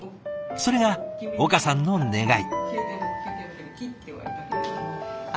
それが岡さんの願い。